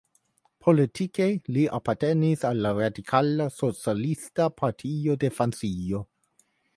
Politike li apartenis al la Radikala Socialista Partio de Francio.